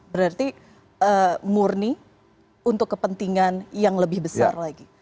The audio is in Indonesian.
berarti murni untuk kepentingan yang lebih besar lagi